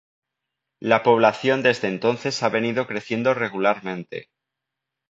La población desde entonces ha venido creciendo regularmente.